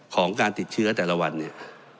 การติดเชื้อแต่ละวันเนี่ย